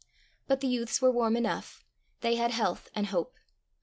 But the youths were warm enough: they had health and hope.